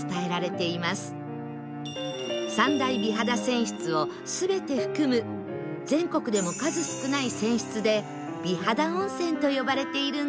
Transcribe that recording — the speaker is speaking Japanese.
三大美肌泉質を全て含む全国でも数少ない泉質で美肌温泉と呼ばれているんです